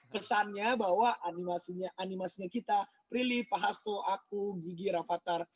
kesannya bahwa animasinya kita prilly pak hasto aku gigi rafatar